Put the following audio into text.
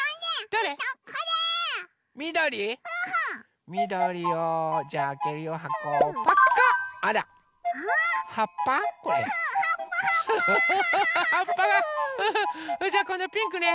それじゃあこのピンクね。